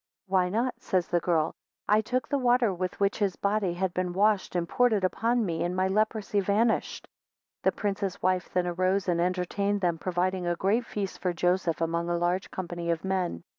32 Why not? says the girl; I took the water with which his body had been washed, and poured it upon me, and my leprosy vanished. 33 The prince's wife then arose and entertained them, providing a great feast for Joseph among a large company of men.